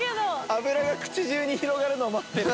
脂が口中に広がるのを待ってる。